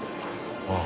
ああ。